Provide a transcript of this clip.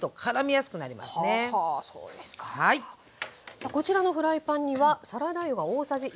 さあこちらのフライパンにはサラダ油が大さじ１入ってます。